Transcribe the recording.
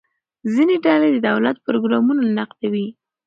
ځینې ډلې د دولت پروګرامونه نقدوي.